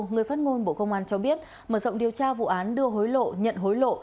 người phát ngôn bộ công an cho biết mở rộng điều tra vụ án đưa hối lộ nhận hối lộ